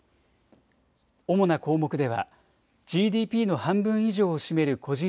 主な項目ではＧＤＰの半分以上を占める個人